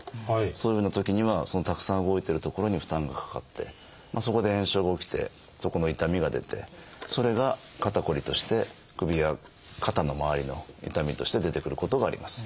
そういうふうなときにはそのたくさん動いてる所に負担がかかってそこで炎症が起きてそこの痛みが出てそれが肩こりとして首や肩のまわりの痛みとして出てくることがあります。